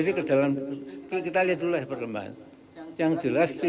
sekian terima kasih